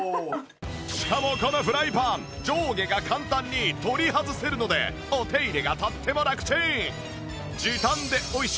しかもこのフライパン上下が簡単に取り外せるのでお手入れがとってもラクチン！